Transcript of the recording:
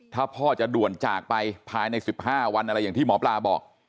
ถ้าพ่อจะด่วนจากไปภายใน๑๕วันอะไรอย่างที่หมอปลาบอก